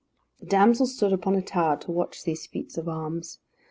The damsel stood upon a tower to watch these feats of arms.